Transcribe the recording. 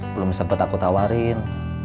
belum sempet aku tawarin